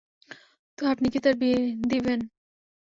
তো, আপনি কি তার বিয়ে দিবেন?